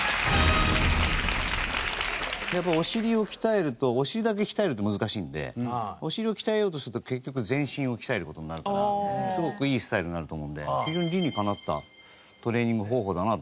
やっぱオシリを鍛えるとオシリだけ鍛えるって難しいんでオシリを鍛えようとすると結局全身を鍛える事になるからすごくいいスタイルになると思うんで非常に理にかなったトレーニング方法だなと思いますね。